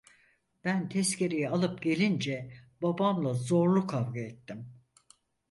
Ben tezkereyi alıp gelince babamla zorlu kavga ettim.